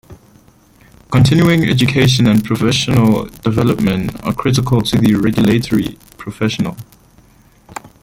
Continuing education and professional development are critical to the regulatory professional.